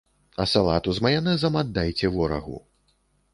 А салату з маянэзам аддайце ворагу.